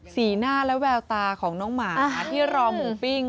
หน้าและแววตาของน้องหมาที่รอหมูปิ้ง